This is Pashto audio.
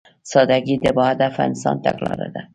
سادهګي د باهدفه انسان تګلاره ده.